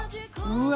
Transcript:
うわ。